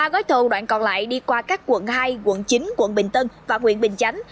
ba gói thầu đoạn còn lại đi qua các quận hai quận chín quận bình tân và huyện bình chánh